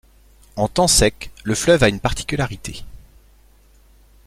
En temps sec, le fleuve a une particularité.